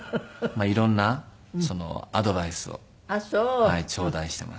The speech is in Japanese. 色んなアドバイスを頂戴しています。